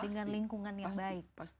dengan lingkungan yang baik